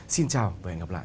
xin chào và hẹn gặp lại